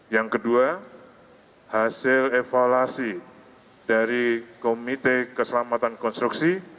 yang kedua hasil evaluasi dari komite keselamatan konstruksi